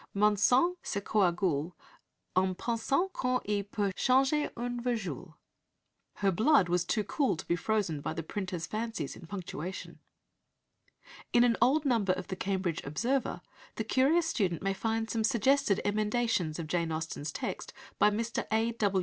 Mon sang se coagule En pensant qu'on y peut changer une virgule." Her blood was too cool to be frozen by the printer's fancies in punctuation. In an old number of the Cambridge Observer the curious student may find some suggested emendations of Jane Austen's text by Mr. A.